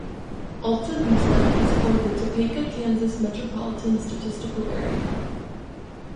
Alta Vista is part of the Topeka, Kansas Metropolitan Statistical Area.